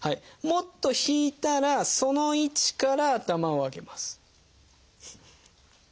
もっと引いたらその位置から頭を上げます。